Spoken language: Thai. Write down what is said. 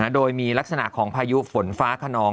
โดยมีลักษณะของพายุฝนฟ้าขนอง